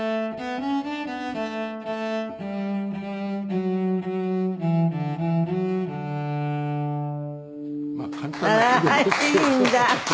あらいいんだ。